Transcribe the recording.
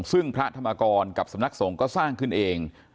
ซึ่งพระธรรมกรกับสำนักสงฆ์ก็สร้างขึ้นเอง